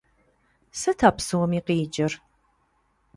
Сыт а псоми къикӏыр?!